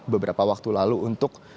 beberapa waktu lalu untuk